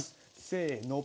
せの！